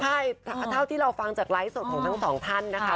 ใช่เท่าที่เราฟังจากไลฟ์สดของทั้งสองท่านนะคะ